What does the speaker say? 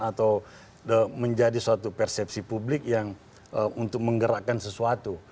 atau menjadi suatu persepsi publik yang untuk menggerakkan sesuatu